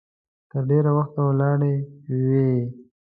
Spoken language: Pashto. تر ډېره وخته ولاړې وي.